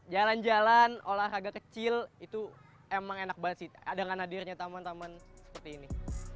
jalan jalan olahraga kecil itu emang enak banget sih dengan hadirnya taman taman seperti ini